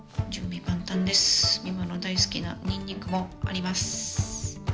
美誠の大好きなニンニクもあります。